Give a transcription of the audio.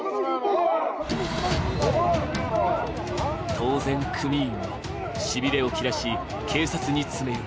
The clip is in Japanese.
当然、組員はしびれを切らし警察に詰め寄る。